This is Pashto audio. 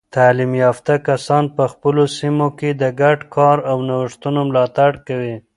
تعلیم یافته کسان په خپلو سیمو کې د ګډ کار او نوښتونو ملاتړ کوي.